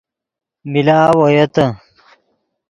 ملاؤ اویتے